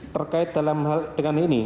terkait dengan ini